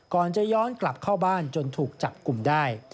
ก่อนจะย้อนกลับเข้าบ้านจนถูกจับกลุ่มได้